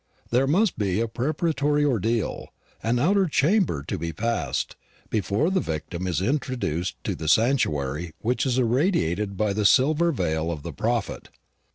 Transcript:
There must be a preparatory ordeal, an outer chamber to be passed, before the victim is introduced to the sanctuary which is irradiated by the silver veil of the prophet.